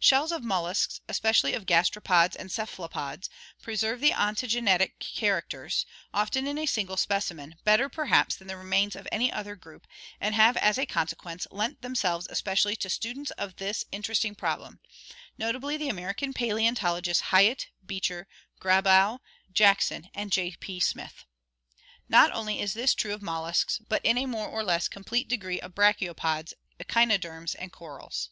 Sheik of molluscs, especially of gastropods and cephalopods, pre serve the ontogenetic characters, often in a single specimen, better perhaps than the remains of any other group, and have as a con sequence lent themselves especially to students of this interesting problem, notably the American paleontologists Hyatt, Beecher, Grabau, Jackson, and J. P. Smith. Not only is this true of mol luscs, but in a more or less complete degree of brachiopods, echino derms, and corals.